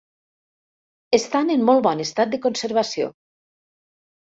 Estan en molt bon estat de conservació.